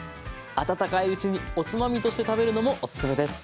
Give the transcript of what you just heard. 温かいうちにおつまみとして食べるのもお勧めです。